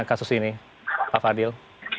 kasus ini pak fadil